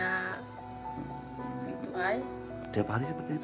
setiap hari seperti itu